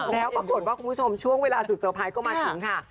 แล้วปรากฏว่าคุณผู้ชมช่วงเวลาสุดเซอร์ไพรส์ก็มาถึงค่ะ